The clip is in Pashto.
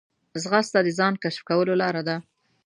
ځغاسته د ځان کشف کولو لاره ده